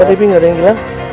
bapak devi nggak ada yang bilang